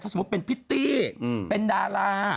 สมมุติเป็นพิตตี้เป็นดารา